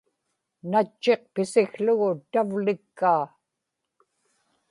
natchiq pisikługu tavlikkaa